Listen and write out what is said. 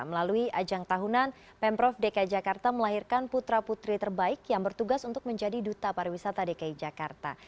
melalui ajang tahunan pemprov dki jakarta melahirkan putra putri terbaik yang bertugas untuk menjadi duta pariwisata dki jakarta